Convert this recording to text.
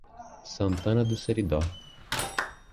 Santana do Seridó